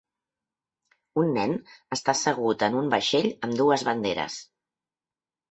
Un nen està assegut en un vaixell amb dues banderes.